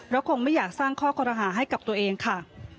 แล้วคงไม่อยากสร้างข้อคอรหาให้กับตัวเองค่ะ